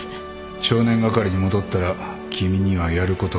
少年係に戻ったら君にはやることが山積みだ